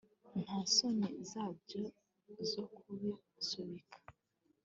nta soni zabyo zo kubisubika